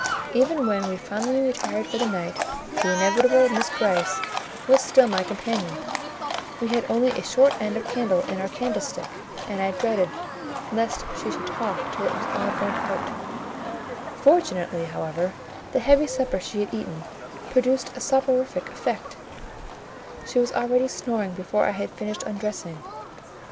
Even when we finally retired for the night, the inevitable Miss Gryce was still my companion: we had only a short end of candle in our candlestick, and I dreaded lest she should talk till it was all burnt out; fortunately, however, the heavy supper she had eaten produced a soporific effect: she was already snoring before I had finished undressing.